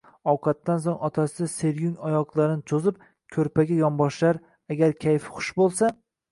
Ovqatdan soʼng otasi seryung oyoqlarini choʼzib, koʼrpaga yonboshlar, agar kayfi xush boʼlsa: